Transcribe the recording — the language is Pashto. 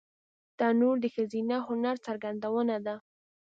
تنور د ښځینه هنر څرګندونه ده